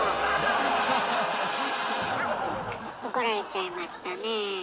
怒られちゃいましたね。